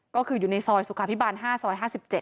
ก็คืออยู่ในซอยสุขาพิบาล๕ซอย๕๗